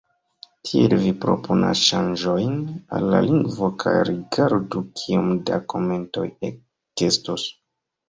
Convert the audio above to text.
Tiel, vi proponas ŝanĝojn al la lingvo, kaj rigardu kiom da komentoj ekestos.